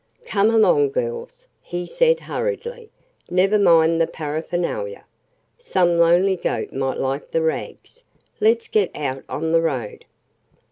"Come along, girls," he said hurriedly. "Never mind the paraphernalia. Some lonely goat might like the rags. Let's get out on the road."